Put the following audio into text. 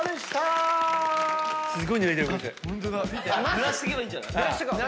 ぬらしとけばいいんじゃない？